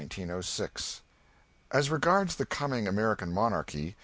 _] As regards the coming American monarchy.